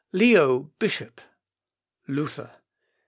_ "Leo Bishop." _Luther.